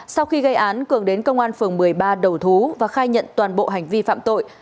sau khi gây án cường đến công an phường một mươi ba đầu thú và khai nhận toàn bộ hành vi phạm tội